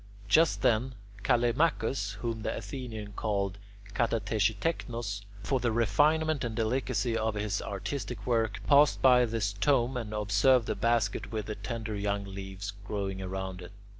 Just then Callimachus, whom the Athenians called [Greek: katatexitechnos] for the refinement and delicacy of his artistic work, passed by this tomb and observed the basket with the tender young leaves growing round it.